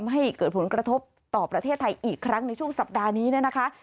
ให้เกิดผลกระทบต่อประเทศไทยอีกครั้งในช่วงสัปดาห์นี้เนี่ยนะคะ